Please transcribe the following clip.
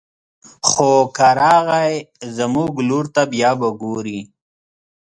خو که راغی زموږ لور ته بيا به ګوري